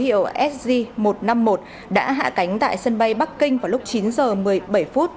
đến quốc gia triều tiên mang số hiệu sg một trăm năm mươi một đã hạ cánh tại sân bay bắc kinh vào lúc chín h một mươi bảy phút